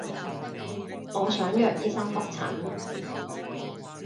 我想約醫生覆診